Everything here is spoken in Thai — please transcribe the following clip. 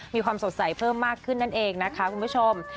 มีความสดใสเพิ่มมากขึ้นนั่นเองนะคะคุณผู้ชม